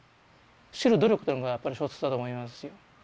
知る努力というのがやっぱり小説だと思いますし。